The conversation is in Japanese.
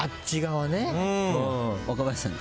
若林さん